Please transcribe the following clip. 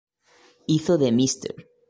Hizo de Mr.